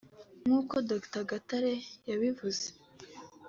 nk’uko Dr Gatare yabivuze